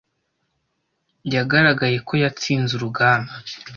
Yagaragaye ko yatsinze urugamba.